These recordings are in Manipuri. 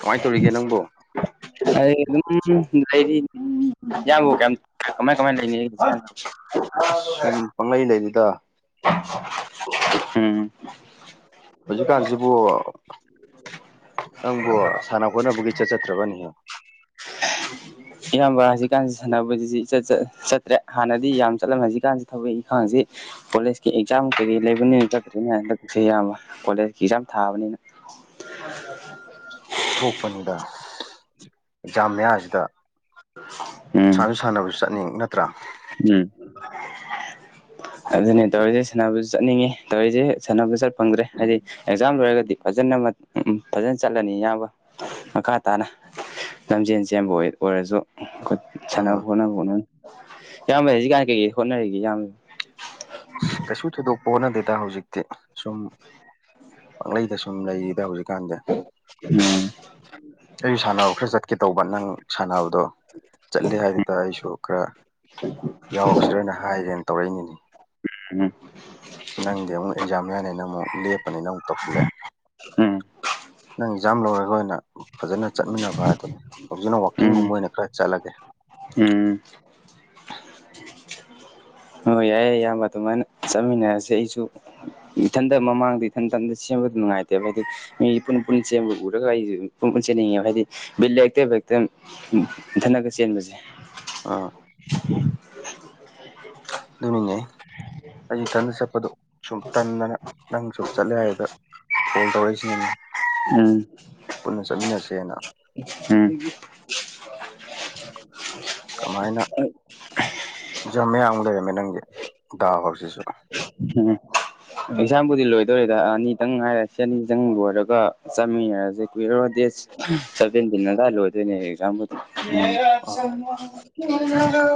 ꯀꯃꯥꯏꯅ ꯇꯧꯔꯤꯒꯦ ꯅꯪꯕꯨ ꯑ ꯑꯗꯨꯝ ꯂꯩꯗꯤ ꯌꯥꯝꯕ ꯀꯩꯝ ꯀꯃꯥꯏ ꯀꯃꯥꯏ ꯂꯩꯦ ꯑꯁ ꯁꯨꯝ ꯄꯪꯂꯩ ꯂꯩꯔꯤꯗ ꯎꯝ ꯍꯧꯖꯤꯛꯀꯥꯟꯁꯤꯕꯨ ꯅꯪꯕꯨ ꯁꯥꯟꯅ ꯈꯣꯠꯅꯕꯒꯤ ꯆꯠꯆꯠꯇ꯭ꯔꯕꯅꯤꯍ [unintelligible] ꯏꯌꯥꯝꯕ ꯍꯧꯖꯤꯛꯀꯥꯟꯁꯤ ꯁꯥꯟꯅꯕꯁꯤ ꯆꯠꯇ꯭ꯔꯦ ꯍꯥꯟꯅꯗꯤ ꯌꯥꯝ ꯆꯠꯂꯝꯃꯦ ꯍꯧꯖꯤꯛꯀꯥꯟꯁꯤ ꯊꯕꯛ ꯏꯪꯈꯥꯡꯁꯤ ꯀꯣꯂꯦꯖꯀꯤ ꯑꯦꯛꯖꯥꯝ ꯀꯩꯀꯩ ꯂꯩꯕꯅꯤꯅ ꯅꯠꯇ꯭ꯔꯦꯅ ꯍꯟꯛꯁꯦ ꯑꯌꯥꯝꯕ ꯀꯣꯂꯦꯖꯀꯤ ꯑꯦꯛꯖꯥꯝ ꯊꯥꯕꯅꯤꯅ [unintelligible] ꯊꯣꯛꯄꯅꯤꯗ ꯑꯦꯛꯖꯥꯝ ꯃꯌꯥꯁꯤꯗ ꯎꯝ ꯁꯥꯟꯅꯕꯁꯨ ꯆꯠꯅꯤꯡ ꯅꯠꯇ꯭ꯔꯥ ꯎꯝ ꯑꯗꯨꯅꯦ ꯇꯧꯔꯗ ꯁꯕꯨ ꯆꯠꯅꯤꯡꯉꯦ ꯇꯧꯔꯤꯁꯦ ꯁꯥꯟꯅꯕꯗ ꯆꯠ ꯐꯪꯗ꯭ꯔꯦ ꯍꯥꯏꯗꯤ ꯑꯦꯛꯖꯥꯝ ꯂꯣꯏꯔꯒꯗꯤ ꯐꯖꯅ ꯎ ꯐꯖꯅ ꯆꯠꯂꯅꯤ ꯑꯌꯥꯝꯕ ꯃꯈꯥ ꯇꯥꯅ ꯂꯝꯖꯦꯟ ꯆꯦꯟꯕ ꯑꯣꯏꯔꯁꯨ ꯑꯩꯈꯣꯏ ꯁꯥꯟꯅꯕ ꯎꯝ ꯈꯣꯠꯅꯕ ꯈꯣꯠꯅ ꯌꯥꯝꯃꯦ ꯍꯧꯖꯤ ꯀꯥꯟ ꯀꯩ ꯍꯣꯠꯅꯔꯤꯒꯦ ꯌꯥꯝꯕꯃꯦ ꯀꯩꯁꯨ ꯊꯣꯏꯗꯣꯛꯄ ꯍꯣꯠꯅꯗꯦꯗ ꯍꯧꯖꯤꯛꯇꯤ ꯁꯨꯝ ꯄꯥꯛꯂꯩꯗ ꯁꯨꯝ ꯂꯩꯔꯤꯗ ꯍꯧꯖꯤꯛ ꯀꯥꯟꯗꯦ ꯎꯝ ꯑꯩꯁꯨ ꯁꯥꯟꯅꯕ ꯈꯔ ꯆꯠꯀꯦ ꯇꯧꯕ ꯅꯪ ꯁꯥꯟꯅꯕꯗꯣ ꯆꯠꯂꯦ ꯍꯥꯏꯗꯨꯗ ꯑꯩꯁꯨ ꯈꯔ ꯌꯥꯎꯁꯤ꯭ꯔꯅ ꯍꯥꯏꯔꯦꯅ ꯇꯧꯔꯛꯏꯅꯤꯅꯤ ꯑꯣ ꯅꯪꯗꯤ ꯑꯃꯨꯛ ꯑꯦꯛꯖꯥꯝ ꯌꯥꯅꯤꯅ ꯑꯃꯨꯛ ꯂꯦꯞꯄꯅꯤꯅ ꯑꯃꯨꯛ ꯇꯧꯁꯤꯜꯂꯛꯑꯦ ꯎꯝ ꯅꯪ ꯑꯦꯛꯖꯥꯝ ꯂꯧꯔꯒ ꯑꯣꯏꯅ ꯐꯖꯅ ꯆꯠꯃꯤꯟꯅꯕ ꯍꯥꯏꯗꯨꯅꯤ ꯍꯧꯖꯤꯛꯅ ꯎꯝ ꯋꯥꯛꯀꯤꯡꯒꯨꯝꯕ ꯑꯣꯏꯅ ꯈꯔ ꯆꯠꯂꯒꯦ ꯎꯝ ꯑꯣ ꯌꯥꯏꯌꯦ ꯑꯌꯥꯝꯕ ꯑꯗꯨꯃꯥꯏꯅ ꯆꯠꯃꯤꯟꯅꯔꯁꯦ ꯑꯩꯁꯨ ꯏꯊꯟꯇ ꯃꯃꯥꯡꯗ ꯏꯊꯟꯇꯟꯗ ꯁꯦꯝꯕꯗ ꯅꯨꯡꯉꯥꯏꯇꯦꯕ ꯑꯩꯗꯤ ꯃꯤ ꯄꯨꯟ ꯄꯨꯟ ꯆꯦꯟꯕ ꯎꯔꯒ ꯑꯩꯖꯨ ꯄꯨꯟ ꯄꯨꯟ ꯆꯦꯟꯅꯤꯡꯉꯦꯕ ꯍꯥꯏꯗꯤ ꯕꯤꯠꯂꯩꯇꯦꯕ ꯎꯝ ꯏꯟꯊꯅꯒ ꯆꯦꯟꯕꯖꯦ ꯑꯥ [unintelligible] ꯑꯗꯨꯅꯤꯅꯦ ꯑꯩ ꯏꯊꯟꯗ ꯆꯠꯄꯗꯣ ꯁꯨꯝ ꯇꯟꯗꯅ ꯅꯪ ꯁꯨꯝ ꯆꯠꯂꯦ ꯍꯥꯏꯗꯨꯗ ꯐꯣꯟ ꯇꯧꯔꯛꯏꯁꯤꯅꯤꯅꯦ ꯎꯝ ꯄꯨꯟꯅ ꯆꯠꯃꯤꯟꯅꯁꯦꯅ ꯎꯝ ꯀꯃꯥꯏꯅ ꯖꯥꯝ ꯃꯌꯥꯝꯃꯨꯛ ꯂꯩꯔꯝꯃꯦ ꯅꯪꯒꯤ ꯗꯥꯎ ꯁꯤꯁꯨ ꯎꯝ ꯑꯦꯛꯖꯥꯝꯕꯨꯗꯤ ꯂꯣꯏꯗꯣꯔꯦꯗ ꯑꯅꯤꯗꯪ ꯉꯥꯏꯔꯦ ꯁꯤ ꯑꯅꯤꯗꯪ ꯂꯣꯏꯔꯒ ꯆꯠꯃꯤꯟꯅꯔꯖꯦ ꯀꯨꯏꯔꯔꯣꯏ ꯗꯦꯁ ꯁꯕꯦꯟꯇꯤꯟ ꯑꯗ꯭ꯋꯥꯏ ꯂꯣꯏꯗꯣꯏꯅꯦ ꯑꯦꯛꯖꯥꯝꯕꯨꯗꯤ ꯑꯣ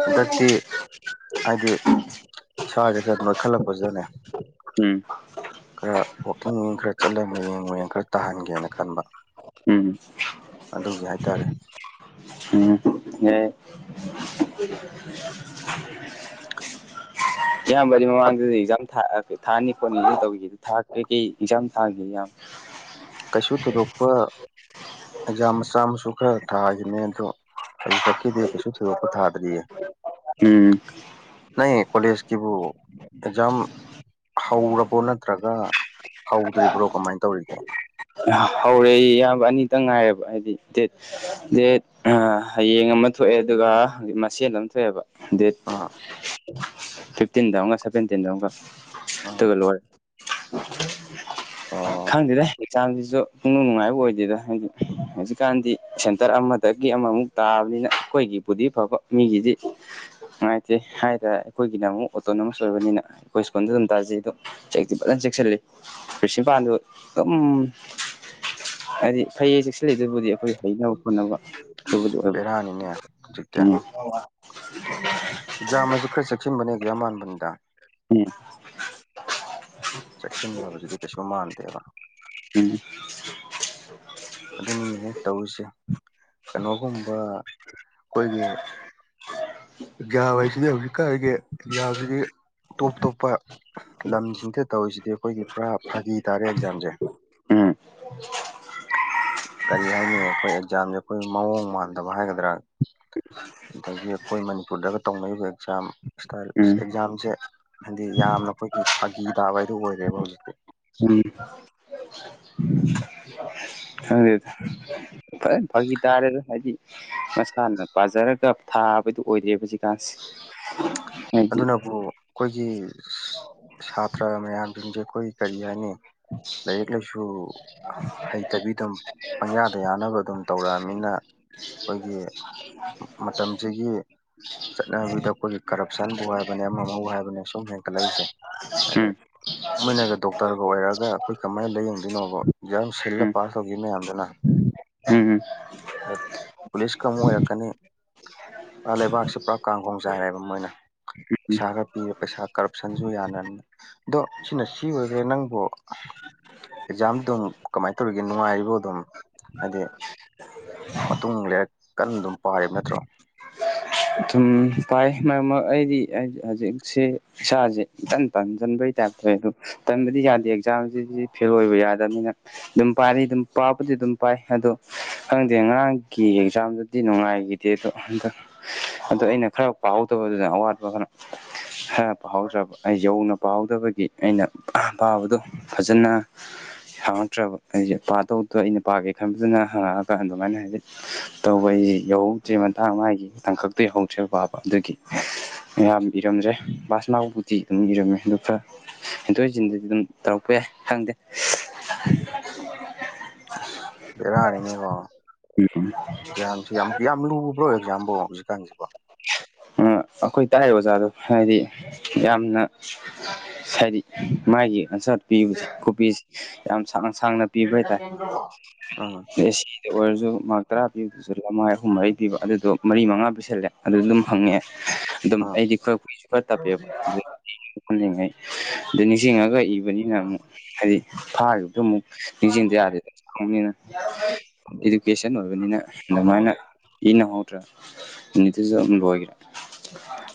ꯍꯟꯗꯛꯇꯤ ꯍꯥꯏꯗꯤ ꯏꯁꯥꯁꯦ ꯈꯔ ꯅꯣꯏꯈꯠꯂꯛ ꯎꯝ ꯈꯔ ꯋꯥꯛꯀꯤꯡ ꯈꯔ ꯆꯠꯂꯒ ꯃꯌꯦꯡ ꯃꯌꯦꯡ ꯈꯔ ꯇꯥꯍꯟꯒꯦꯅ ꯈꯟꯕ ꯑꯗꯨꯒꯤ ꯍꯥꯏꯇꯥꯔꯦ [unintelligible] ꯎꯝ ꯌꯥꯏ ꯑ [unintelligible] ꯏꯌꯥꯝꯕꯗꯤ ꯃꯃꯥꯡꯗꯗꯤ ꯑꯦꯛꯖꯥꯝ ꯊꯥ ꯑꯥ ꯊꯥꯅꯤ ꯈꯣꯠꯅꯤ ꯇꯧꯒꯤꯗꯨꯗꯤ ꯊꯥ ꯀꯩ ꯀꯩ ꯑꯦꯛꯖꯥꯝ ꯊꯥꯒꯦ ꯌꯥꯝ ꯀꯩꯁꯨ ꯊꯣꯏꯗꯣꯛꯄ ꯑꯦꯛꯖꯥꯝ ꯃꯆꯥ ꯃꯁꯨ ꯈꯔ ꯊꯥꯒꯤꯝꯅꯦ ꯑꯗꯣ ꯍꯧꯖꯤꯛꯄꯥꯛꯀꯤꯗꯤ ꯀꯩꯁꯨ ꯊꯣꯏꯗꯣꯛꯄ ꯊꯥꯗ꯭ꯔꯤꯌꯦ ꯎꯝ ꯅꯩ ꯀꯣꯂꯦꯖ ꯀꯤꯕꯨ ꯑꯦꯖꯥꯝ ꯍꯧꯔꯕꯣ ꯅꯠꯇ꯭ꯔꯒ ꯍꯧꯗ꯭ꯔꯤꯕ꯭ꯔꯣ ꯀꯃꯥꯏ ꯇꯧꯔꯤꯒꯦ ꯍꯧꯔꯦ ꯏ ꯏꯌꯥꯝꯕ ꯑꯅꯤꯇꯪ ꯉꯥꯏꯔꯦꯕ ꯍꯥꯏꯗꯤ ꯗꯦꯠ ꯗꯦꯠ ꯑꯥ ꯍꯌꯦꯡ ꯑꯃ ꯊꯣꯛꯑꯦ ꯑꯗꯨꯒ ꯍꯧ ꯃꯁꯦꯜ ꯑꯃ ꯊꯣꯛꯑꯦꯕ ꯗꯦꯠ ꯑꯥ ꯐꯤꯐꯇꯤꯟꯗ ꯑꯃꯒ ꯁꯚꯦꯟꯇꯤꯟꯗ ꯑꯝꯒ ꯎꯝ ꯑꯗꯨꯒ ꯂꯣꯏꯔꯦ [unintelligible] ꯑꯣ ꯈꯪꯗꯗꯦ ꯆꯥꯡꯖꯤꯖꯨ ꯄꯨꯛꯅꯨꯡ ꯅꯨꯡꯉꯥꯏꯕ ꯑꯣꯏꯗꯦꯗ ꯍꯥꯏꯗꯤ ꯍꯧꯖꯤꯛꯀꯥꯟꯗꯤ ꯁꯦꯟꯇꯔ ꯑꯃꯗꯒꯤ ꯑꯃꯃꯨꯛ ꯇꯥꯕꯅꯤꯅ ꯑꯩꯈꯣꯏꯒꯤꯕꯨꯗꯤ ꯐꯕ ꯃꯤꯒꯤꯗꯤ ꯅꯨꯡꯉꯥꯏꯇꯦ ꯍꯥꯏꯇ ꯑꯩꯈꯣꯏꯒꯤꯅ ꯑꯃꯨꯛ ꯑꯣꯇꯣꯅꯣꯃꯁ ꯑꯣꯏꯕꯅꯤꯅ ꯑꯩꯈꯣꯏ ꯁ꯭ꯀꯨꯜꯗ ꯑꯗꯨꯝ ꯇꯥꯖꯩꯗꯣ ꯆꯦꯛꯇꯤ ꯐꯖꯅ ꯆꯦꯛꯁꯤꯜꯂꯤ ꯄ꯭ꯔꯤꯁꯤꯄꯥꯟꯗꯨ ꯑꯗꯨꯝ ꯍꯥꯏꯗꯤ ꯐꯩꯌꯦ ꯆꯦꯛꯁꯤꯜꯂꯤꯗꯨꯕꯨꯗꯤ ꯑꯩꯈꯣꯏ ꯍꯩꯅꯕ ꯄꯨꯟꯅꯕ ꯑꯁ ꯕꯦꯔꯥꯅꯤꯅꯦ ꯍꯧꯖꯤꯛꯇꯤ [unintelligible] ꯑꯦꯛꯖꯥꯝ ꯑꯖꯦ ꯈꯔ ꯆꯦꯛꯁꯤꯟꯕꯅ ꯑꯦꯖꯥ ꯃꯥꯟꯕꯅꯤꯗ ꯏ ꯆꯦꯛꯁꯤꯟꯗꯕꯁꯤꯗꯤ ꯀꯩꯁꯨ ꯃꯥꯟꯗꯦꯕ ꯎ [unintelligible] ꯑꯗꯨꯅꯤꯅꯦ ꯍꯦ ꯇꯧꯔꯤꯁꯦ ꯀꯩꯅꯣꯒꯨꯝꯕ ꯑꯩꯈꯣꯏꯒꯤ ꯒ꯭ꯌꯥꯕꯥꯏ ꯁꯤꯖꯤꯟꯅꯕ ꯍꯧꯖꯤꯛꯀꯥꯟꯒꯤ ꯒ꯭ꯌꯥꯖꯤꯗꯤ ꯇꯣꯞ ꯇꯣꯞꯄ ꯂꯝꯁꯤꯡꯗ ꯇꯧꯔꯤꯁꯤꯗꯤ ꯑꯩꯈꯣꯏꯒꯤ ꯄꯨꯔꯥ ꯐꯥꯒꯤ ꯇꯥꯔꯦ ꯑꯦꯛꯖꯥꯝꯁꯦ ꯎꯝ ꯀꯔꯤ ꯍꯥꯏꯅꯤ ꯑꯩꯈꯣꯏ ꯑꯦꯛꯖꯥꯝꯖꯦ ꯑꯩꯈꯣꯏ ꯃꯑꯣꯡ ꯃꯥꯟꯗꯕ ꯍꯥꯏꯒꯗ꯭ꯔꯥ ꯑꯗꯒꯤ ꯑꯩꯈꯣꯏ ꯃꯅꯤꯄꯨꯔꯗꯒ ꯇꯧꯅꯔꯤꯕ ꯑꯦꯛꯖꯥꯝ ꯏꯁꯀꯥꯏꯜ ꯁ ꯎꯝ ꯑꯦꯛꯖꯥꯝꯁꯦ ꯍꯥꯏꯗꯤ ꯌꯥꯝꯅ ꯈꯣꯏꯒꯤ ꯐꯥꯒꯤ ꯇꯥꯕ ꯍꯥꯏꯗꯨ ꯑꯣꯏꯔꯦꯕ ꯍꯧꯖꯤꯛꯇꯤ ꯎꯝ ꯈꯪꯗꯦꯗ ꯐꯖꯅ ꯐꯥꯒꯤ ꯇꯥꯔꯦꯗ ꯍꯥꯏꯗꯤ ꯃꯁꯥꯅ ꯄꯥꯖꯔꯒ ꯊꯥꯕꯗꯨ ꯑꯣꯏꯗꯦ ꯍꯧꯖꯤꯀꯥꯟꯁꯤ [unintelligible] ꯑꯗꯨꯅꯕꯨ ꯑꯩꯈꯣꯏꯒꯤ ꯁꯇ꯭ꯔꯥ ꯃꯌꯥꯝꯖꯤꯡꯖꯦ ꯑꯩꯈꯣꯏ ꯀꯔꯤ ꯍꯥꯏꯅꯤ ꯂꯥꯏꯔꯤꯛ ꯂꯥꯏꯁꯨ ꯍꯩ ꯇꯕꯤꯗꯨꯝ ꯄꯪꯌꯥꯗ ꯌꯥꯅꯕ ꯑꯗꯨꯝ ꯇꯧꯔꯛꯑꯝꯅꯤꯅ ꯑꯩꯈꯣꯏꯒꯤ ꯃꯇꯝꯁꯤꯒꯤ [unintelligible] ꯆꯠꯅꯕꯤꯗ ꯑꯩꯈꯣꯏꯒꯤ ꯀꯔꯞꯁꯟꯕꯨ ꯍꯥꯏꯕꯅꯦ ꯑꯃ ꯑꯃꯕꯨ ꯍꯥꯏꯕꯅꯦ ꯁꯨꯝ ꯍꯦꯟ ꯀꯠꯂꯛꯏꯖꯦ ꯎꯝ ꯑꯗꯩ ꯃꯣꯏꯅꯒ ꯗꯣꯛꯇꯔꯒ ꯑꯣꯏꯔꯛꯑꯒ ꯑꯩꯈꯣꯏ ꯀꯃꯥꯏ ꯂꯥꯌꯦꯡꯗꯣꯏꯅꯣꯕ ꯑꯦꯛꯖꯥꯝ ꯁꯤꯜꯂ ꯎꯝ ꯄꯥꯁ ꯇꯧꯒꯤ ꯃꯌꯥꯝꯗꯨꯅ ꯎꯝ ꯎꯝ ꯄꯨꯂꯤꯁꯀ ꯑꯃꯨꯛ ꯑꯣꯏꯔꯛꯀꯅꯤ ꯂꯩꯕꯥꯛꯁꯤ ꯄꯨꯔꯥ ꯀꯥꯡꯈꯣꯡ ꯆꯥꯏꯔꯦꯕ ꯃꯣꯏꯅ ꯄꯩꯁꯥ ꯈꯔ ꯄꯤꯔꯦ ꯄꯩꯁꯥ ꯀꯔꯞꯁꯟꯖꯨ ꯌꯥꯅꯅ ꯑꯗꯣ ꯁꯤꯅ ꯁꯤ ꯑꯣꯏꯈ꯭ꯔꯦ ꯅꯪꯕꯨ ꯑꯦꯛꯖꯥꯝ ꯑꯗꯨꯝ ꯀꯃꯥꯏ ꯇꯧꯔꯤꯒꯦ ꯅꯨꯡꯉꯥꯏꯔꯤꯕ ꯑꯗꯨꯝ ꯍꯥꯏꯗꯤ ꯃꯇꯨꯡ ꯂꯩꯔꯛ ꯀꯟꯅ ꯑꯗꯨꯝ ꯄꯥꯔꯤꯕ ꯅꯠꯇ꯭ꯔꯣ ꯑꯗꯨꯨꯝ ꯄꯥꯏ ꯃꯔꯛꯃꯛ ꯑꯩꯗꯤ ꯍꯥꯏꯗꯤ ꯍꯧꯖꯤꯛꯁꯤ ꯏꯁꯥꯖꯤ ꯏꯇꯟ ꯇꯟꯖꯟꯕꯩ ꯇꯥꯏꯞꯇ ꯑꯗꯨ ꯇꯟꯕꯗꯤ ꯌꯥꯗꯦ ꯑꯦꯛꯖꯥꯝꯁꯤꯗꯤ ꯐꯦꯜ ꯑꯣꯏꯕ ꯌꯥꯗꯕꯅꯤꯅ ꯑꯗꯨꯝ ꯄꯥꯔꯤ ꯑꯗꯨꯝ ꯄꯥꯕꯗꯤ ꯑꯗꯨꯝ ꯄꯥꯏ ꯑꯗꯣ ꯈꯪꯗꯦ ꯉꯔꯥꯡꯒꯤ ꯑꯦꯛꯖꯥꯝꯗꯨ ꯗꯤ ꯅꯨꯡꯉꯥꯏꯒꯤꯗꯦ ꯑꯗꯣ ꯍꯟꯗꯛ ꯑꯗꯣ ꯑꯩꯅ ꯈꯔ ꯄꯥꯍꯧꯗꯕꯗꯨꯗ ꯑꯋꯥꯠꯄ ꯈꯔ ꯈꯔ ꯄꯥꯍꯧꯗ꯭ꯔꯕ ꯑꯩ ꯌꯧꯅ ꯄꯥꯍꯧꯗꯕꯒꯤ ꯑꯩꯅ ꯄꯥꯕꯗꯣ ꯐꯖꯅ ꯍꯪꯉꯛꯇ꯭ꯔꯕ ꯑꯩꯖꯦ ꯄꯥꯗꯧꯗꯣ ꯑꯩꯅ ꯄꯥꯒꯦ ꯈꯟꯕꯗꯨꯅ ꯍꯪꯉꯛꯑꯒ ꯑꯗꯨꯃꯥꯏꯅ ꯍꯥꯏꯗꯤ ꯇꯧꯕ ꯑꯩ ꯌꯧꯍꯧꯗ꯭ꯔꯤ ꯃꯇꯥꯡ ꯃꯥꯒꯤ ꯇꯥꯡꯀꯛꯇꯣ ꯌꯧꯍꯧ [unintelligible] ꯄꯥꯕ ꯑꯗꯨꯒꯤ ꯃꯌꯥꯝ ꯏꯔꯝꯗ꯭ꯔꯦ ꯄꯥꯁ ꯃꯥꯔꯛꯕꯨꯗꯤ ꯑꯗꯨꯝ ꯏꯔꯝꯃꯦ ꯑꯗꯨ ꯈꯔ ꯍꯦꯟꯗꯣꯛ ꯍꯦꯟꯖꯤꯟꯗꯗꯤ ꯑꯗꯨꯝ ꯇꯧꯔꯛꯄ ꯌꯥꯏ ꯈꯪꯗꯦ ꯕꯦꯔꯥꯅꯤꯅꯦꯀꯣ ꯌꯥꯝ ꯌꯥꯝꯗꯤ ꯌꯥꯝ ꯂꯨꯕ꯭ꯔꯣ ꯑꯦꯛꯖꯥꯝꯕꯣ ꯍꯧꯖꯤꯛꯀꯥꯟꯖꯤꯕꯣ ꯑ ꯑꯩꯈꯣꯏ ꯇꯥꯛꯏ ꯑꯣꯖꯥꯗꯣ ꯍꯥꯏꯗꯤ ꯌꯥꯝꯅ ꯍꯥꯏꯗꯤ ꯃꯥꯒꯤ ꯑꯟꯁꯠ ꯄꯤꯕꯁꯤ ꯈꯨꯄꯤꯁꯤ ꯌꯥꯝ ꯁꯥꯡ ꯁꯥꯡꯅ ꯄꯤꯕ ꯍꯥꯏꯇꯥꯔꯦ ꯎꯝ [unintelligible] ꯑꯣꯏꯔꯖꯨ ꯃꯥꯔꯛ ꯇꯔꯥ ꯄꯤꯕꯗꯨꯁꯨ ꯂꯃꯥꯏ ꯑꯍꯨꯝ ꯃꯔꯤ ꯄꯤꯕ ꯑꯗꯨꯗꯣ ꯃꯔꯤ ꯃꯉꯥ ꯄꯤꯁꯜꯂꯦ ꯑꯗꯨꯗꯨꯝ ꯍꯪꯉꯛꯑꯦ ꯑꯗꯨꯝ ꯎꯝ ꯑꯩꯗꯤ ꯈꯔ ꯈꯨꯏꯏꯖꯨ ꯈꯔ ꯇꯞꯄꯦꯕ ꯍꯜꯂꯤꯉꯩ ꯑꯗ ꯅꯤꯡꯁꯤꯡꯉꯒ ꯏꯕꯅꯤ ꯑꯩꯅ ꯑꯃꯨꯛ ꯍꯥꯏꯗꯤ ꯐꯥꯒꯤꯕꯗꯨ ꯑꯃꯨꯛ ꯅꯤꯡꯖꯤꯡꯗ ꯌꯥꯗꯦꯗꯅ [unintelligible] ꯏꯗꯨꯀꯦꯁꯟ ꯑꯣꯏꯕꯅꯤꯅ ꯑꯗꯨꯃꯥꯏꯅ ꯏ ꯅꯪꯍꯧꯗ꯭ꯔꯥ ꯃꯤꯅꯤꯠꯇꯨꯖꯨ [unintelligible] ꯂꯣꯏꯒꯔꯦ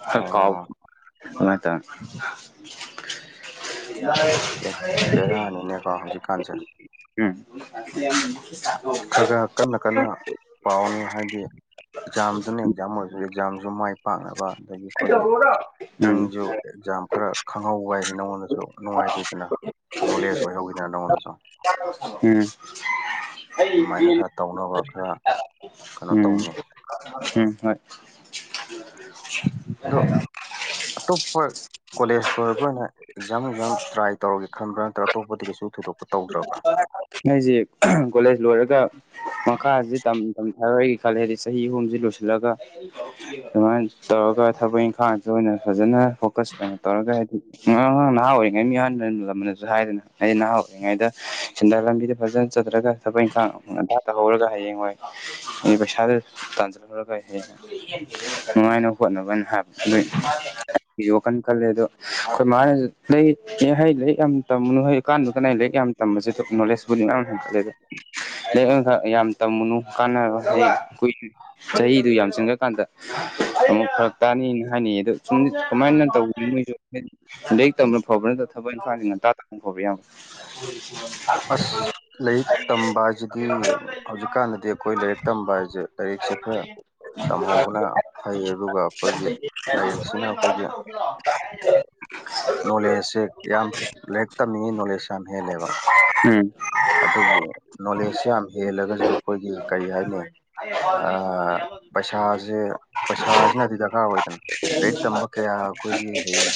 ꯈꯔ ꯀꯥꯎ ꯑꯣ ꯕꯦꯔꯥꯅꯤꯅꯦꯀꯣ ꯍꯧꯖꯤꯛꯀꯥꯟꯁꯦ [unintelligible] [unintelligible] ꯎꯝ [unintelligible] ꯈꯔ ꯈꯔ ꯀꯟꯅ ꯀꯟꯅ ꯄꯥꯎꯅꯦ ꯍꯥꯏꯗꯤ ꯑꯦꯛꯖꯥꯝꯗꯨꯅ ꯑꯦꯛꯖꯥꯝ ꯑꯣꯏ ꯑꯦꯛꯖꯥꯝꯖꯨ ꯃꯥꯏ ꯄꯥꯛꯅꯕ ꯑꯗꯒꯤ ꯑꯩꯈꯣꯏꯒꯤ ꯅꯪꯖꯨ ꯑꯦꯛꯖꯥꯝ ꯈꯔ ꯈꯪꯍꯧꯕ ꯍꯥꯏꯖꯦ ꯅꯪꯉꯣꯟꯗꯁꯨ ꯅꯨꯡꯉꯥꯏꯖꯩꯗꯅ ꯅꯣꯂꯦꯖ ꯑꯣꯏꯍꯧꯋꯤꯗꯅ ꯅꯪꯉꯣꯟꯗꯁꯨ ꯎꯝ ꯑꯗꯨꯃꯥꯏꯅ ꯈꯔ ꯇꯧꯅꯕ ꯈꯔ ꯀꯩꯅꯣ ꯇꯧꯅꯤ ꯎꯝ ꯍꯣꯏ [unintelligible] ꯑꯇꯣꯞꯄꯠ ꯀꯣꯂꯦꯖ ꯂꯣꯏꯔꯛꯄ ꯑꯣꯏꯅ ꯑꯦꯛꯖꯥꯝ ꯑꯦꯛꯖꯥꯝ ꯇ꯭ꯔꯥꯏ ꯇꯧꯔꯒꯦ ꯈꯟꯕ꯭ꯔꯥ ꯅꯠꯇ꯭ꯔꯒ ꯑꯇꯣꯞꯄꯗꯒꯤ ꯀꯩꯁꯨ ꯊꯣꯏꯗꯣꯛꯄ ꯇꯧꯗ꯭ꯔꯥꯕ ꯑꯩꯖꯤ ꯀꯣꯂꯦꯖ ꯂꯣꯏꯔꯒ ꯃꯈꯥꯁꯤꯊꯥꯔꯣꯏꯒ ꯈꯜꯂꯦ ꯍꯥꯏꯗꯤ ꯆꯍꯤ ꯑꯍꯨꯝꯁꯤ ꯂꯣꯏꯁꯤꯜꯂꯒ ꯑꯗꯨꯃꯥꯏꯅ ꯇꯧꯔꯒ ꯊꯕꯛ ꯏꯪꯈꯥꯡꯗ ꯑꯣꯏꯅ ꯐꯖꯅ ꯐꯣꯀꯁ ꯑꯣꯏꯅ ꯇꯧꯔꯒ ꯍꯥꯏꯗꯤ ꯑ ꯅꯍꯥ ꯑꯣꯏꯔꯤꯉꯩ ꯃꯤ ꯑꯍꯥꯟ ꯂꯃꯗꯁꯨ ꯍꯥꯏꯗꯅ ꯑꯩ ꯅꯍꯥ ꯑꯣꯏꯔꯤꯉꯩꯗ ꯁꯦꯟꯗꯥ ꯂꯝꯕꯤꯗ ꯐꯖꯅ ꯆꯠꯇꯊ꯭ꯔꯒ ꯊꯕꯛ ꯏꯪꯈꯥꯡꯟꯊꯥꯛꯇꯍꯧꯔꯒ ꯍꯌꯦꯡ ꯍꯣꯏ ꯑꯗꯤ ꯄꯩꯁꯥꯗꯨ ꯇꯥꯟꯖ ꯐꯔ ꯀꯥꯏ ꯍꯥꯏ ꯅꯨꯡꯉꯥꯏꯅꯕ ꯍꯣꯠꯅꯕꯅ ꯍꯥꯏꯕ ꯑꯗꯨ ꯑꯩꯒꯤꯁꯨ ꯋꯥꯈꯜ ꯈꯜꯂꯦ ꯑꯗꯣ ꯑꯩꯈꯣꯏ ꯃꯥꯅꯁꯨ ꯂ ꯑꯦ ꯍꯩ ꯂꯥꯏꯛ ꯌꯥꯝ ꯇꯝꯃꯅꯨ ꯍ ꯀꯥꯟꯗꯨ ꯀꯅꯥꯩ ꯂꯥꯏꯔꯤꯛ ꯌꯥꯝ ꯇꯝꯕꯁꯤ ꯅꯣꯂꯦꯖꯄꯨꯗꯤ ꯌꯥꯝꯌꯥꯝ ꯍꯦꯟꯒꯠꯂꯦ ꯂꯩꯥꯏꯔꯤꯛꯈꯛ ꯌꯥꯝ ꯇꯝꯃꯨꯅꯨ ꯀꯥꯟ ꯍ ꯀꯏ ꯆꯍꯤꯗꯨ ꯌꯥꯝꯁꯤꯟꯈꯀꯥꯟꯗ ꯑꯃꯛ ꯐꯔꯛ ꯇꯥꯅꯤꯅ ꯍꯥꯏꯅꯩꯌꯦ ꯑꯗꯣ ꯁꯨꯝ ꯀꯃꯥꯏꯅ ꯇꯧꯕꯅꯤ ꯃꯣꯏꯁꯨ ꯂꯥꯏꯔꯤꯛ ꯇꯝꯕ ꯐꯕ ꯅꯠꯇ ꯊꯕꯛ ꯏꯪꯈꯥꯡꯗꯤ ꯉꯟꯇꯥ ꯇꯥꯅ ꯐꯕ ꯌꯥꯕ꯭ꯔ ꯑꯁ ꯂꯥꯏꯔꯤꯛ ꯇꯝꯕ ꯍꯥꯏꯁꯤꯗꯤ ꯍꯧꯖꯤꯛꯀꯥꯟꯗꯗꯤ ꯑꯩꯈꯣꯏ ꯂꯥꯏꯔꯤꯛ ꯇꯝꯕ ꯍꯥꯏꯁꯦ ꯂꯥꯏꯔꯤꯛꯁꯦ ꯈꯔ ꯇꯝꯍꯧꯕꯅ ꯐꯩ ꯑꯗꯨꯒ ꯑꯩꯈꯣꯏꯒꯤ ꯂꯥꯏꯔꯤꯛꯁꯤꯅ ꯑꯩꯈꯣꯏꯒꯤ ꯅꯣꯂꯦꯖꯁꯦ ꯌꯥꯝ ꯂꯥꯏꯔꯤꯛ ꯇꯝꯃꯤꯉꯩ ꯅꯣꯂꯦꯖ ꯌꯥꯝ ꯍꯦꯜꯂꯦꯕ ꯎꯝ ꯑꯗꯨꯕꯨ ꯅꯣꯂꯦꯖꯁꯤ ꯌꯥꯝ ꯍꯦꯜꯂꯒꯁꯨ ꯑꯩꯈꯣꯏꯒꯤ ꯀꯔꯤ ꯍꯥꯏꯅꯤ ꯑ ꯄꯩꯁꯥꯁꯦ ꯄꯩꯁꯥꯁꯤꯅꯗꯤ ꯗꯔꯀꯥꯔ ꯑꯣꯏꯗꯅ ꯂꯥꯏꯔꯤꯛ ꯇꯝꯕ ꯀꯌꯥ ꯑꯩꯈꯣꯏꯒꯤ ꯍꯌꯦ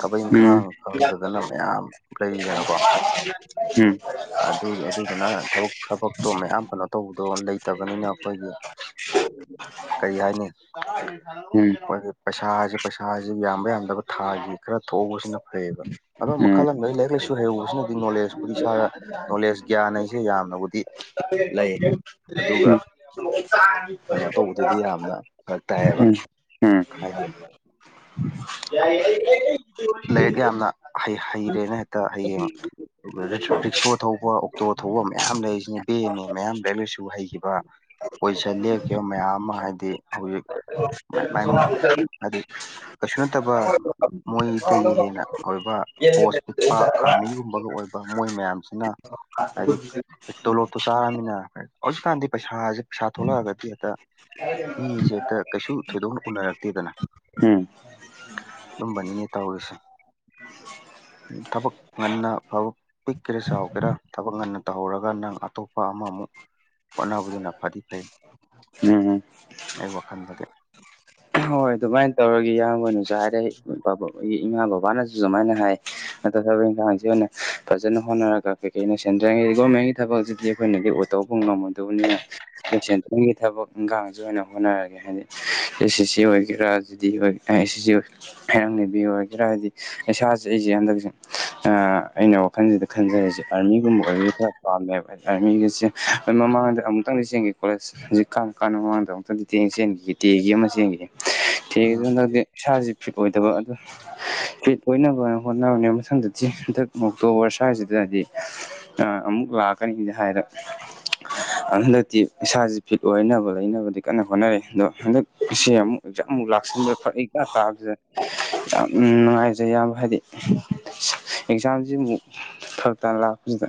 ꯊꯕꯛ ꯎꯝ ꯏꯪꯈꯥꯡ ꯐꯪꯗꯗꯅ ꯃꯌꯥꯝ ꯂꯩꯔꯤꯗꯅꯀꯣ ꯎꯝ ꯑꯗꯨ ꯑꯗꯨꯗꯨꯅ ꯊꯕꯛ ꯊꯕꯛꯇꯣ ꯃꯌꯥꯝ ꯀꯩꯅꯣ ꯇꯧꯕꯗꯣ ꯂꯩꯇꯕꯅꯤꯅ ꯑꯩꯈꯣꯏꯒꯤ ꯀꯔꯤ ꯍꯥꯏꯅꯤ ꯎꯝ ꯎꯝ ꯎꯝ ꯎꯝ ꯍ ꯄꯩꯁꯥꯁ ꯄꯩꯁꯥꯁꯦ ꯌꯥꯝꯕ ꯌꯥꯝꯗꯕ ꯊꯥꯒꯤ ꯈꯔ ꯊꯣꯛꯎꯁꯤꯅ ꯐꯩꯌꯦꯕ ꯑꯗꯣ ꯃꯈꯜ ꯑꯃꯗꯩ ꯂꯥꯏꯔꯛ ꯂꯥꯏꯁꯨ ꯍꯩꯎꯨ ꯁꯤꯅꯗꯤ ꯅꯣꯂꯦꯖ ꯑꯩꯗꯤ ꯏꯁꯥꯗ ꯅꯣꯂꯦꯖ ꯒ꯭ꯌꯥꯟ ꯍꯥꯏꯁꯦ ꯌꯥꯝꯅꯕꯨꯗꯤ ꯂꯩ ꯑꯗꯨꯒ ꯎꯝ ꯀꯩꯅꯣ ꯇꯧꯕꯗꯨꯗꯤ ꯌꯥꯝꯅ ꯐꯔꯛ ꯇꯥꯏꯌꯦꯕ ꯎꯝ ꯍꯥꯏꯗꯤ ꯂꯥꯏꯔꯤꯛ ꯌꯥꯝꯅ ꯍ ꯍꯩꯔꯦꯅ ꯍꯦꯛꯇ ꯍꯌꯦꯡ ꯔꯤꯛꯁꯣ ꯊꯧꯕ ꯑꯣꯛꯇꯣ ꯊꯧꯕ ꯃꯌꯥꯝ ꯂꯩꯔꯤꯁꯤꯅꯦ ꯚꯦ ꯑꯦꯝ ꯑꯦ ꯃꯌꯥꯝ ꯂꯩ ꯂꯁꯨ ꯍꯩꯈꯤꯕ ꯄꯣꯏꯖꯤꯁꯟ ꯂꯦꯞꯈꯤꯕ ꯃꯌꯥꯝ ꯑꯃ ꯍꯥꯏꯗꯤ ꯍꯧꯖꯤꯛ ꯍꯥꯏꯗꯤ ꯀꯩꯁꯨ ꯁꯣ ꯅꯠꯇꯕ ꯃꯣꯏꯗꯒꯤ ꯍꯦꯟꯅ ꯑꯣꯏꯕ ꯄꯣꯁ ꯄꯤꯛꯄ ꯑꯥꯔꯃꯤꯒꯨꯝꯕꯒ ꯑꯣꯏꯕ ꯃꯣꯏ ꯃꯌꯥꯝꯁꯤꯅ ꯍꯥꯏꯗꯤ ꯇꯣꯂꯣꯞꯇꯣ ꯆꯥꯔꯃꯤꯅ ꯍꯧꯖꯤꯛꯀꯥꯟꯗꯤ ꯄꯩꯁꯥꯁꯦ ꯄꯩꯁꯥ ꯊꯣꯛꯂꯛꯑꯒꯗꯤ ꯍꯦꯛꯇ ꯃꯤꯁꯦ ꯍꯦꯛꯇ ꯀꯩꯁꯨ ꯊꯣꯏꯗꯣꯛꯅ ꯎꯅꯔꯛꯇꯦꯗꯅ ꯎꯝ ꯎꯝ ꯑꯗꯨꯝꯕꯅꯤꯅꯦ ꯇꯧꯔꯤꯁꯦ ꯊꯕꯛ ꯉꯟꯅ ꯑꯐꯕ ꯄꯤꯛꯀꯦꯔꯥ ꯆꯥꯎꯒꯦꯔꯥ ꯊꯕꯛ ꯉꯟꯅ ꯇꯧꯍꯧꯔꯒ ꯅꯪ ꯑꯇꯣꯞꯄ ꯑꯃꯃꯨꯛ ꯍꯣꯠꯅꯕꯗꯨꯅ ꯐꯗꯤ ꯐꯩ ꯎꯝ ꯑꯩ ꯋꯥꯈꯜꯗꯗꯤ ꯍꯣꯏ ꯑꯗꯨꯃꯥꯏꯅ ꯇꯧꯔꯒ ꯏꯌꯥꯝꯕꯅꯁꯨ ꯍꯥꯏꯔꯦꯒꯤ ꯏꯃꯥ ꯕꯕꯥꯅꯁꯨ ꯁꯨꯃꯥꯏꯅ ꯍꯥꯏ ꯅ ꯊꯕꯛ ꯏꯟꯈꯥꯡꯁꯤ ꯑꯣꯏꯅ ꯐꯖꯅ ꯍꯣꯠꯅꯔꯒ ꯀꯩꯀꯩꯅ ꯁꯦꯟꯗ꯭ꯔꯉꯩ ꯒꯣꯔꯃꯦꯟꯒꯤ ꯊꯕꯛꯁꯤꯗꯤ ꯑꯩꯈꯣꯏꯅꯗꯤ ꯑꯣꯏꯧꯕ ꯎ ꯉꯝꯃꯗꯕꯅꯤꯅ ꯑꯩꯈꯣꯏ ꯁꯦꯟꯇꯪꯒꯤ ꯊꯕꯛ ꯏꯪꯈꯥꯡꯁꯨ ꯑꯣꯏꯅ ꯍꯣꯠꯅꯔꯒꯦ ꯍꯥꯏꯗꯤ ꯑꯦ ꯁꯤ ꯁꯤ ꯀꯦꯔꯥꯁꯤꯗꯤ ꯑꯣꯏ ꯁꯤꯁꯤ ꯑꯣꯏ ꯍꯩꯔꯥꯡꯅꯕꯤ ꯑꯣꯏꯒꯦꯔꯥ ꯍꯥꯏꯗꯤ ꯏꯁꯥꯁꯦ ꯑꯩꯁꯦ ꯍꯟꯗꯛꯁꯦ ꯑꯩꯅ ꯋꯥꯟꯁꯤꯗ ꯈꯟꯖꯔꯤꯁꯦ ꯑꯥꯔꯃꯤꯒꯨꯝꯕ ꯑꯣꯏꯕ ꯈꯔ ꯄꯥꯝꯃꯦꯕ ꯑꯥꯔꯃꯤꯒꯤꯁꯦ ꯃꯃꯥꯡꯗ ꯑꯃꯨꯛꯇꯪ ꯌꯦꯡꯒꯦ ꯀꯣꯂꯦꯖ ꯍꯧꯖꯤꯛ ꯀꯥꯟꯅ ꯀꯥꯟꯅ ꯃꯃꯥꯡꯗ ꯑꯃꯨꯛꯇꯗꯤ ꯇꯦꯡ ꯆꯦꯟꯈꯤ ꯇꯦꯒꯤ ꯑꯃ ꯆꯦꯟꯈꯤꯒꯦ ꯊꯤ ꯑꯗꯨ ꯑꯥ ꯍꯟꯛꯇꯗꯤ ꯏꯁꯥꯥꯁꯦ ꯐꯤꯠ ꯑꯣꯏꯗꯕ ꯑꯗꯨ ꯐꯠ ꯑꯣꯏꯅꯕ ꯍꯣꯠꯅꯔꯅꯦ ꯃꯊꯪꯗꯗꯤ ꯍꯟꯗꯛ ꯑꯣꯛꯇꯣꯕꯔ ꯁ꯭ꯋꯥꯏꯁꯤꯗꯗꯤ ꯑ ꯑꯃꯨꯛ ꯂꯥꯛꯀꯅꯤꯗꯤ ꯍꯥꯏꯔ ꯍꯟꯗꯛꯇꯤ ꯏꯁꯥꯥꯖꯦ ꯐꯤꯠ ꯑꯣꯏꯅꯕ ꯂꯩꯅꯕꯗꯤ ꯀꯟꯅ ꯍꯣꯠꯅꯔꯤ ꯑꯗꯣ ꯍꯟꯗꯛ ꯁꯤ ꯑꯃꯨꯛ ꯑꯦꯛꯖꯥꯝ ꯑꯃꯨꯛ ꯂꯥꯛꯁꯤꯟꯕ ꯐꯔꯛ ꯏꯇꯥ ꯇꯥꯕꯁꯤꯗ ꯌꯥꯝ ꯅꯨꯡꯉꯥꯏꯖꯩ ꯌꯥꯝꯕ ꯍꯥꯏꯗꯤ ꯑꯦꯛꯖꯥꯝꯁꯤ ꯑꯃꯨꯛ ꯐꯔꯛꯇꯥꯅ ꯂꯥꯛꯄꯁꯤꯗ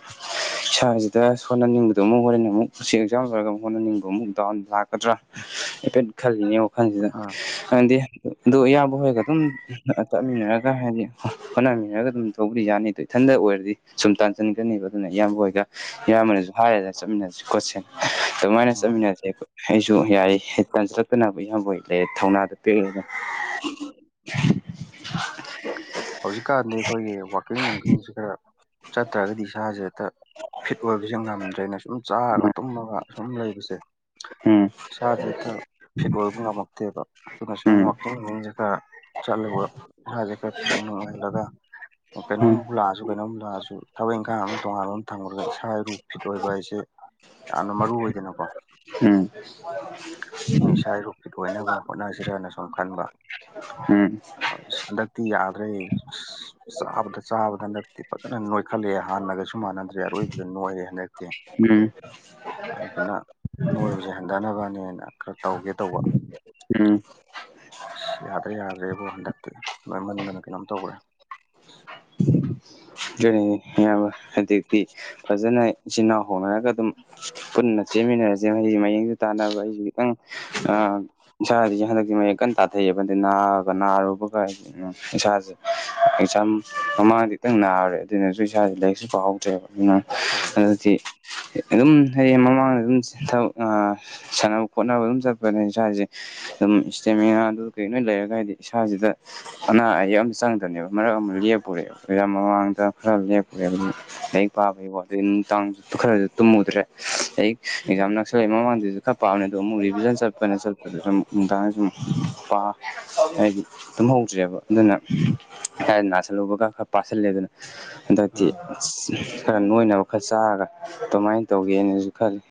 ꯏꯁꯥꯁꯤꯗ ꯍꯣꯠꯅꯅꯤꯡꯕꯗꯣ ꯑꯃꯨꯛ ꯍꯣꯔꯦꯟ ꯑꯃꯨꯛ ꯁꯤ ꯑꯦꯛꯖꯥꯝ ꯂꯣꯏꯔꯒ ꯃꯨꯛ ꯍꯣꯠꯅꯅꯤꯡꯕ ꯑꯃꯨꯛ ꯗꯥꯎꯟ ꯂꯥꯛꯀꯗ꯭ꯔꯥ ꯍꯥꯏꯐꯦꯠ ꯈꯜꯂꯤꯅꯦ ꯋꯥꯈꯜꯁꯤꯗ ꯑꯥ ꯈꯪꯗꯦ ꯑꯗꯣ ꯏꯌꯥꯝꯕ ꯍꯣꯏꯒ ꯑꯗꯨꯝ ꯆꯠꯃꯤꯟꯅꯔꯒ ꯍꯥꯏꯗꯤ ꯍꯣꯠꯅꯃꯤꯟꯅꯔꯒ ꯑꯗꯨꯝ ꯇꯧꯕꯨꯗꯤ ꯌꯥꯅꯤ ꯑꯗꯣ ꯏꯊꯟꯇ ꯑꯣꯏꯔꯗꯤ ꯁꯨꯝ ꯇꯥꯟꯁꯤꯟꯒꯔꯅꯤꯕ ꯑꯗꯨꯅ ꯏꯌꯥꯝꯕ ꯍꯣꯏꯒ ꯏꯌꯥꯝꯕꯅꯁꯨ ꯍꯥꯏꯔꯦꯗꯅ ꯆꯠꯃꯤꯟꯅꯁꯤ ꯈꯣꯠꯁꯤꯅ ꯑꯗꯨꯃꯥꯏꯅ ꯑꯥ ꯆꯠꯃꯤꯟꯅꯁꯦ ꯑꯩꯁꯨ ꯌꯥꯏ ꯇꯥꯟꯁꯤꯜꯂꯛꯇꯅꯕ ꯏꯌꯥꯝꯕ ꯍꯣꯏ ꯂꯩꯔꯦ ꯊꯧꯅꯥꯗ ꯄꯦꯜꯂꯦꯗ ꯍꯧꯖꯤꯛꯀꯥꯟꯗꯤ ꯑꯈꯣꯏꯒꯤ ꯋꯥꯛꯀꯤꯡ ꯅꯨꯡꯀꯤꯡꯁꯦ ꯈꯔ ꯆꯠꯇ꯭ꯔꯒꯗꯤ ꯏꯁꯥꯁꯦ ꯍꯦꯛꯇ ꯐꯤꯠ ꯑꯣꯏꯕꯁꯦ ꯉꯝꯗ꯭ꯔꯦꯅ ꯁꯨꯝ ꯆꯥꯔꯒ ꯇꯨꯝꯃꯒ ꯁꯨꯝ ꯂꯩꯕꯁꯦ ꯎꯝ ꯏꯁꯥꯁꯦ ꯈꯔ ꯐꯤꯠ ꯑꯣꯏꯕ ꯉꯝꯃꯛꯇꯦꯕ ꯑꯗꯨꯅ ꯎꯝ ꯁꯨꯝ ꯎꯝ ꯋꯥꯛꯀꯤꯡ ꯅꯨꯡꯒꯤꯡꯁꯦ ꯈꯔ ꯆꯠꯂꯨꯕ ꯏꯁꯥꯁꯦ ꯈꯔ ꯐꯤꯠ ꯅꯨꯡ ꯑꯣꯏꯍꯜꯂꯒ ꯀꯩꯅꯣꯝꯕꯨ ꯂꯥꯛꯑꯁꯨ ꯀꯩꯅꯣꯝ ꯂꯥꯛꯑꯁꯨ ꯊꯕꯛ ꯏꯪꯈꯥꯡ ꯑꯃ ꯇꯣꯉꯥꯟꯕ ꯑꯃ ꯊꯝꯈꯨꯔꯒ ꯏꯁꯥ ꯏꯔꯨ ꯐꯤꯠ ꯑꯣꯏꯕ ꯍꯥꯏꯁꯦ ꯌꯥꯝꯅ ꯃꯔꯨ ꯑꯣꯏꯗꯅꯀꯣ ꯎꯝ ꯑꯗꯨꯅ ꯏꯁꯥ ꯏꯔꯨ ꯐꯤꯠ ꯑꯣꯏꯅꯕ ꯍꯣꯠꯅꯁꯤꯔꯅ ꯁꯨꯝ ꯈꯟꯕ ꯎꯝ ꯑꯁ ꯍꯟꯗꯛꯇꯤ ꯌꯥꯗ꯭ꯔꯦ ꯆꯥꯕꯗ ꯆꯥꯕꯗ ꯍꯟꯗꯛ ꯐꯖꯅ ꯅꯣꯏꯈꯠꯂꯦꯍꯦ ꯍꯥꯟꯅꯒꯁꯨ ꯃꯥꯟꯅꯗ꯭ꯔꯦ ꯑꯔꯣꯏꯕꯤꯗ ꯅꯣꯏꯔꯦ ꯍꯟꯗꯛꯇꯤ ꯎꯝ ꯑꯗꯨꯗꯨꯅ ꯅꯣꯏꯕꯁꯦ ꯍꯟꯊꯅꯕꯅꯦꯅ ꯈꯔ ꯇꯧꯒꯦ ꯇꯧꯕ ꯎꯝ ꯑꯁ ꯌꯥꯗ꯭ꯔꯦ ꯌꯥꯗ꯭ꯔꯦꯕꯣ ꯍꯟꯗꯛꯇꯤ ꯅꯣꯏꯃꯟꯗꯅ ꯀꯩꯅꯣꯝ ꯇꯧꯈ꯭ꯔꯦ ꯗꯨꯅꯤꯅꯦ ꯏꯌꯥꯝꯕ ꯍꯟꯇꯛꯇꯤ ꯐꯖꯅ ꯏꯆꯤꯟ ꯏꯅꯥꯎ ꯍꯧꯅꯔꯒ ꯑꯗꯨꯝ ꯄꯨꯟꯅ ꯆꯦꯟꯃꯤꯟꯅꯔꯁꯦ [unintelligible] ꯃꯌꯦꯡꯁꯨ ꯇꯥꯟꯅꯕ ꯑꯩꯁꯨ ꯑ [unintelligible] ꯍꯟꯗꯛꯇꯤ ꯃꯌꯦꯡ ꯀꯟꯅ ꯇꯥꯊꯩꯑꯕꯟꯗ ꯅꯥꯒ ꯅꯥꯔꯨꯕꯒ ꯏꯁꯥꯁꯦ ꯑꯦꯛꯖꯥꯝ ꯃꯃꯥꯡꯗ ꯈꯤꯇꯪ ꯅꯥꯔꯨꯔꯦ ꯑꯗꯨꯅꯁꯨ ꯏꯁꯥꯁꯦ ꯂꯥꯏꯔꯤꯛꯁꯨ ꯄꯥꯍꯧꯗ꯭ꯔꯦꯕ ꯎꯝ ꯑꯗꯨꯗꯤ ꯑꯗꯨꯝ ꯍꯌꯦꯡ ꯃꯃꯥꯡꯗ ꯑꯗꯨꯝ ꯊꯕꯛ ꯑꯥ ꯁꯥꯟꯅꯕ ꯈꯣꯠꯅꯕ ꯑꯗꯨꯝ ꯆꯠꯄꯅꯤ ꯏꯁꯥꯥꯁꯦ ꯑꯗꯨꯝ ꯏꯁꯇꯦꯃꯤꯅꯥ ꯑꯗꯨ ꯀꯩ ꯂꯣꯏꯃ ꯂꯩꯔꯒ ꯍꯥꯏꯗꯤ ꯏꯁꯥꯁꯤꯗ ꯑꯅꯥ ꯑꯌꯦꯛ ꯑꯃ ꯆꯪꯗꯅꯅꯦꯕ ꯃꯔꯛ ꯑꯃ ꯂꯦꯞꯄꯨꯔꯦ ꯑꯦꯛꯖꯥꯝ ꯃꯃꯥꯡꯗ ꯈꯔ ꯂꯦꯞꯄꯨꯔꯦ ꯂꯥꯏꯔꯤꯛ ꯄꯥꯕꯩꯀꯣ ꯑꯗꯨ ꯅꯨꯡꯗꯥꯡ ꯈꯔꯁꯨ ꯇꯨꯝꯃꯨꯗ꯭ꯔꯦ ꯑꯩ ꯑꯦꯛꯖꯥꯝ ꯅꯛꯁꯜꯂꯛꯏ ꯃꯃꯥꯡꯗꯁꯨ ꯈꯔ ꯄꯥꯕꯅꯤ ꯑꯗꯣ ꯑꯃꯨꯛ ꯔꯤꯚꯤꯖꯟ ꯆꯠꯄꯅꯦ ꯆꯠꯄꯗꯁꯨꯨꯝ ꯅꯨꯡꯗꯥꯡꯗ ꯁꯨꯝ ꯄꯥ ꯍꯥꯏꯗꯤ ꯇꯨꯝꯍꯧꯗ꯭꯭ꯔꯦꯑꯕ ꯑꯗꯨꯅ ꯑꯩ ꯅꯥꯁꯤꯜꯂꯨꯕꯒ ꯈꯔ ꯄꯥꯁꯤꯜꯂꯦ ꯑꯗꯨꯅ ꯍꯟꯗꯛꯇꯤ ꯑꯥ ꯈꯔ ꯅꯣꯏꯅꯕ ꯈꯔ ꯆꯥꯔꯒ ꯑꯗꯨꯃꯥꯏꯅ ꯇꯧꯒꯦꯅꯁꯨ ꯈꯜꯂꯤ